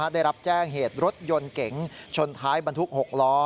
ได้รับแจ้งเหตุรถยนต์เก๋งชนท้ายบรรทุก๖ล้อ